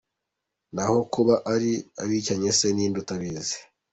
Naho kuba ari abicanyi se ni nde utabizi?